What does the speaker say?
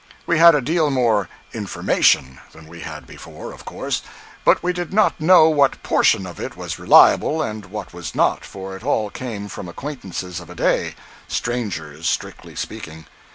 We had a deal more "information" than we had before, of course, but we did not know what portion of it was reliable and what was not—for it all came from acquaintances of a day—strangers, strictly speaking.